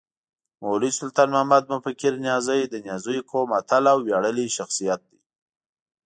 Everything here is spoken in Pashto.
مولوي سلطان محمد مفکر نیازی د نیازيو قوم اتل او وياړلی شخصیت دی